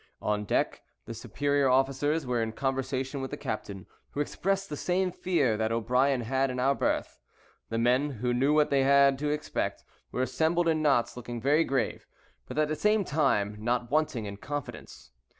On deck the superior officers were in conversation with the captain, who expressed the same fear that O'Brien had in our berth. The men, who knew what they had to expect, were assembled in knots, looking very grave, but at the same time not wanting in confidence.